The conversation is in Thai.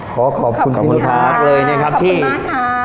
ขอขอบคุณพี่นุชครับเลยนะครับที่ขอบคุณมากค่ะ